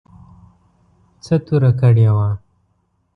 څه توره کړې وه.